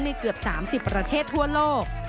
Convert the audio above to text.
เกือบ๓๐ประเทศทั่วโลก